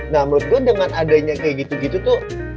nah menurut gue dengan adanya kayak gitu gitu tuh